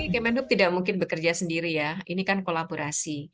kemenhub tidak mungkin bekerja sendiri ya ini kan kolaborasi